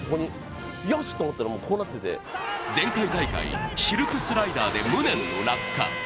前回大会、シルクスライダーで無念の落下。